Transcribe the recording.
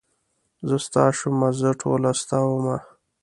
زه ستا شومه زه ټوله ستا ومه.